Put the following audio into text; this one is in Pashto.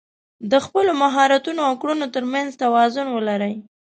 د خپلو مهارتونو او کړنو تر منځ توازن ولرئ.